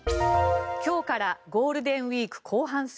今日からゴールデンウィーク後半戦。